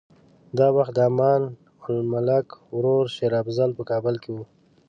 دا وخت د امان الملک ورور شېر افضل په کابل کې و.